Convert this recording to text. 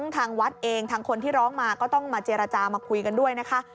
ทางวัดเองทางคนที่ร้องมาก็ต้องมาเจรจามาคุยกันด้วยนะคะ